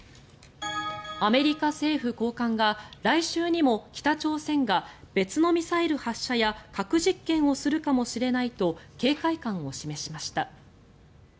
アメリカ政府高官が来週にも北朝鮮が別のミサイル発射や核実験をするかもしれないと警戒感を示しました。